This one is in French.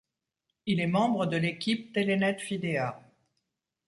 Il est membre de l'équipe Telenet-Fidea.